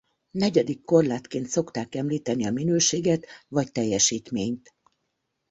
Negyedik korlátként szokták említeni a minőséget vagy teljesítményt.